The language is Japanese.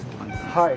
はい。